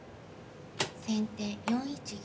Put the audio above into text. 先手４一銀。